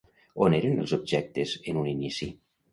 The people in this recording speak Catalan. On eren els objectes en un inici?